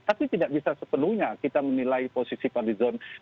tapi tidak bisa sepenuhnya kita menilai posisi fadil zon